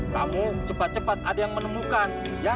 kamu cepat cepat ada yang menemukan